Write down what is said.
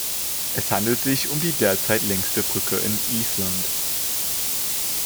Es handelt sich um die derzeit längste Brücke in Island.